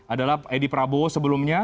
adalah edi prabowo sebelumnya